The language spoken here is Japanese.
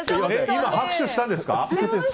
今、拍手したんですか？